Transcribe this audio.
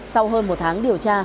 sau hơn một tháng điều tra